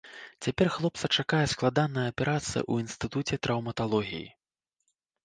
Цяпер хлопца чакае складаная аперацыя ў інстытуце траўматалогіі.